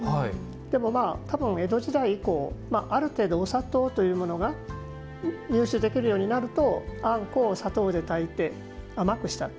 でも多分、江戸時代以降ある程度、お砂糖というものが入手できるようになるとあんこを砂糖で炊いて甘くした。